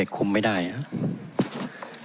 คุมไม่ได้ครับ